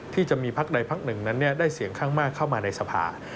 ที่จะมีพักใดพักหนึ่งนั้นได้เสียงข้างมากเข้ามาในสภา